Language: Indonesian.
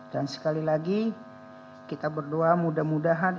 dan sekali lagi kita berdoa mudah mudahan